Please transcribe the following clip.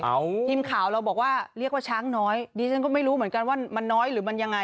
ทีมข่าวเราบอกว่าเรียกว่าช้างน้อยดิฉันก็ไม่รู้เหมือนกันว่ามันน้อยหรือมันยังไง